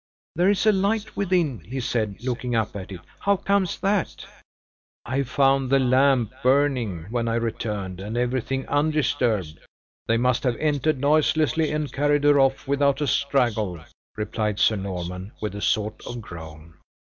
"There is a light within," he said, looking up at it; "how comes that?" "I found the lamp burning, when I returned, and everything undisturbed. They must have entered noiselessly, and carried her off without a struggle," replied Sir Norman, with a sort of groan.